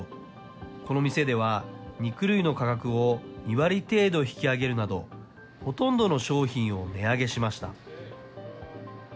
この店では肉類の価格を２割程度引き上げるなど、ほとんどの商品を値上げしました。